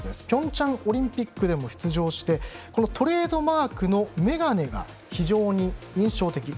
ピョンチャンオリンピックにも出場してトレードマークの眼鏡が非常に印象的。